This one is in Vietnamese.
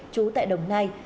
chú tại đồng nai